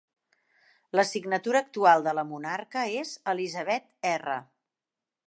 La signatura actual de la monarca és "Elizabeth R".